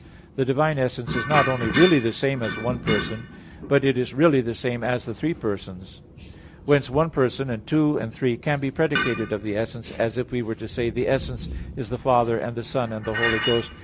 The divine essence is not only really the same as one person, but it is really the same as the three persons. Whence, one person, and two, and three, can be predicated of the essence as if we were to say, "The essence is the Father, and the Son, and the Holy Ghost."